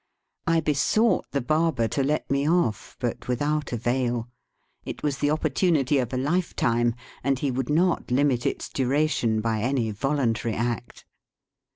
I besought the barber to let me off, but without avail. It was the opportunity of a lifetime, and he would not limit its dura tion by any voluntary act.